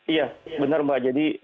iya benar mbak